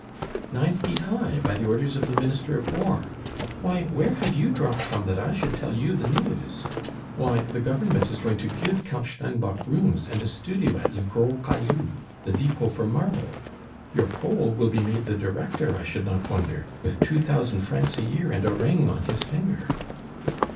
"Nine feet high by the orders of the Minister of War. Why, where have you dropped from that I should tell you the news? Why, the Government is going to give Count Steinbock rooms and a studio at Le Gros Caillou, the depot for marble; your Pole will be made the Director, I should not wonder, with two thousand francs a year and a ring on his finger."